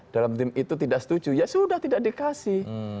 dalam tim itu tidak setuju ya sudah tidak dikasih